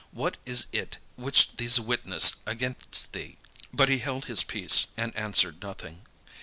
What is it which these witness against thee?" But he held his peace, and answered nothing.